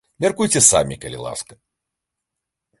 Мяркуйце самі, калі ласка.